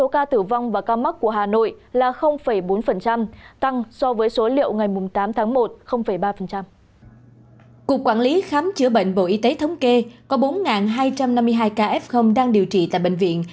cục quản lý khám chữa bệnh bộ y tế thống kê có bốn hai trăm năm mươi hai ca f đang điều trị tại bệnh viện